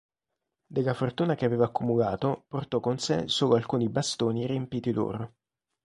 Della fortuna che aveva accumulato, portò con sé solo alcuni bastoni riempiti d'oro.